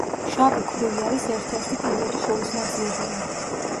შავი ქვრივი არის ერთ-ერთი პირველი შურისმაძიებელი.